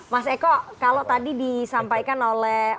mas eko kalau tadi disampaikan oleh